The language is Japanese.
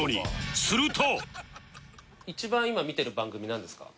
すると